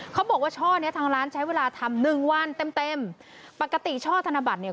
เขาบอกว่าช่อเนี้ยทางร้านใช้เวลาทำหนึ่งวันเต็มเต็มปกติช่อธนบัตรเนี่ย